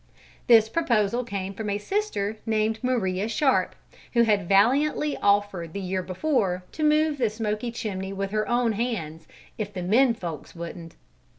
This proposal came from a sister named Maria Sharp, who had valiantly offered the year before to move the smoky chimney with her own hands, if the "men folks" wouldn't.